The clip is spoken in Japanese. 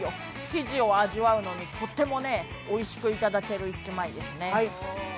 生地を味わうのに、とってもおいしく頂ける一枚ですね。